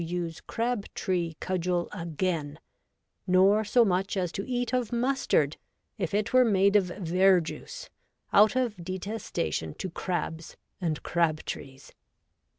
use Crab tree Cudgel again, nor so much as to eat of Mustard, if it were made of Verjuice, out of detesta tion to Crabs and Crab trees.